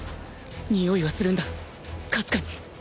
においはするんだかすかに